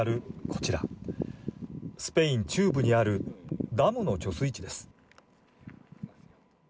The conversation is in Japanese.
こちら、スペイン中部にあるダムの貯水池です。